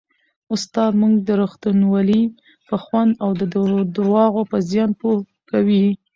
استاد موږ د رښتینولۍ په خوند او د درواغو په زیان پوه کوي.